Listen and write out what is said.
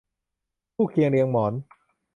คู่เคียงเรียงหมอน